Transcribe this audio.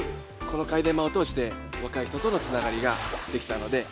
この櫂伝馬を通して若い人とのつながりができたので。